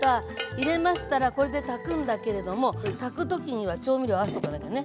入れましたらこれで炊くんだけれども炊く時には調味料合わせとかなきゃね。